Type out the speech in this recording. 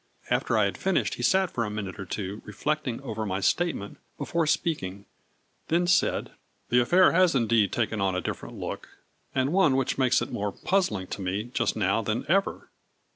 After I had finished he sat for a minute or two reflecting over my state ment before speaking, then said :" The affair has indeed taken on a different look, and one which makes it more puzzling to me just now than ever.